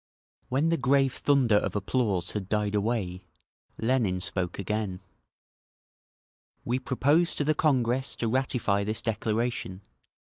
When the grave thunder of applause had died away, Lenin spoke again: "We propose to the Congress to ratify this declaration.